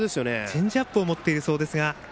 チェンジアップを持っているそうです。